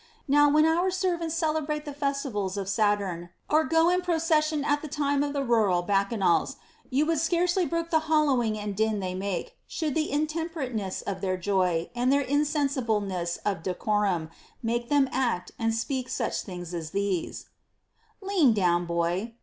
Now, when our servants celebrate the festivals of Saturn or go in procession at the time of the rural bacchanals, you would scarcely brook the oollowing and din they make, should the intemperateness of their joy and their insensibleness of decorum make them let and speak such things as these : Lean down, boy